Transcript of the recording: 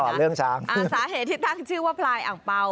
ไม่ได้นะสาเหตุที่ตั้งชื่อว่าพลายอังเปล่า